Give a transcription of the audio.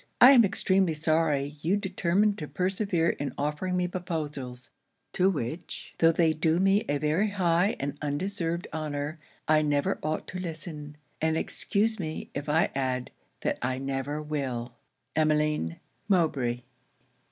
I am extremely sorry you determine to persevere in offering me proposals, to which, though they do me a very high and undeserved honour, I never ought to listen; and excuse me if I add, that I never will. EMMELINE MOWBRAY.'